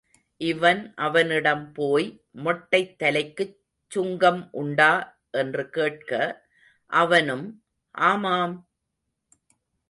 இவன் அவனிடம் போய், மொட்டைத் தலைக்குச் சுங்கம் உண்டா? என்று கேட்க, அவனும் ஆமாம்!